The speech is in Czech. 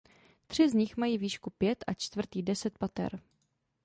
Tři z nich mají výšku pět a čtvrtý deset pater.